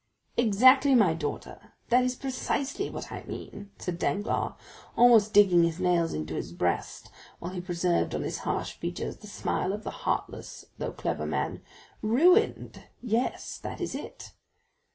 "Exactly, my daughter; that is precisely what I mean," said Danglars, almost digging his nails into his breast, while he preserved on his harsh features the smile of the heartless though clever man; "ruined—yes, that is it."